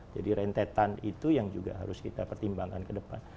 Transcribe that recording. jadi rentetan itu yang juga harus kita pertimbangkan ke depan